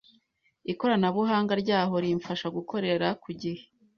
ikoranabuhanga ryaho rimfasha gukorera ku gihe